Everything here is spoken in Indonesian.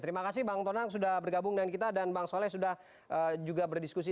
terima kasih bang tonang sudah bergabung dengan kita dan bang soleh sudah juga berdiskusi